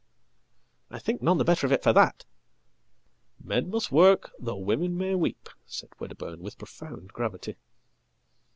""I think none the better of it for that.""Men must work though women may weep," said Wedderburn with profoundgravity."